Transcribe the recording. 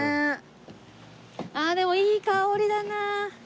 あでもいい香りだな。